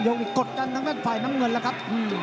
๓โยงมีกดกันทั้งแม่นไฟน้ำเงินแล้วครับ